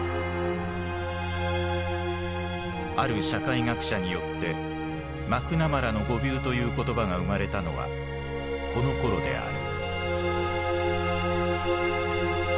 ある社会学者によって「マクナマラの誤謬」という言葉が生まれたのはこのころである。